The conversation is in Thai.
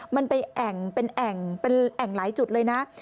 มันเป็นแอ่งหลายจุดเลยนะ